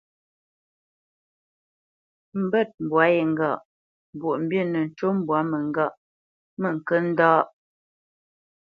Mbə̂t mbwa ye ŋgâʼ : Mbwoʼmbǐ nə ncu mbwá mə ŋgâʼ mə ŋkə ndâ.